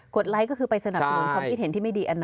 ไลค์ก็คือไปสนับสนุนความคิดเห็นที่ไม่ดี